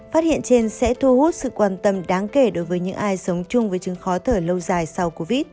phát hiện trên sẽ thu hút sự quan tâm đáng kể đối với những ai sống chung với chứng khó thở lâu dài sau covid